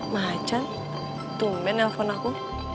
macan tumben nelfon aku